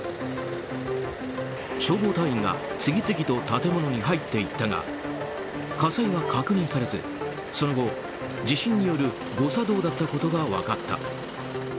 消防隊員が次々と建物に入っていったが火災は確認されずその後、地震による誤作動だったことが分かった。